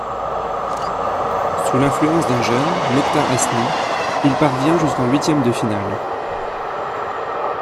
Sous l’influence d’un jeune, Mokhtar Hasni, il parvient jusqu’en huitièmes de finale.